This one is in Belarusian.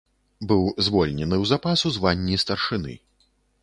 Быў звольнены ў запас у званні старшыны.